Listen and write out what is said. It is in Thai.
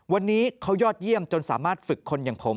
วันนี้เขายอดเยี่ยมจนสามารถฝึกคนอย่างผม